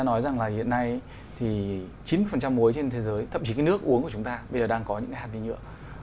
nói rằng hiện nay chín mươi muối trên thế giới thậm chí nước uống của chúng ta bây giờ đang có những hạt viên nhựa